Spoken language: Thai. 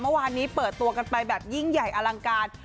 เมื่อวานนี้เปิดตัวกันไปแบบยิ่งใหญ่อลังการ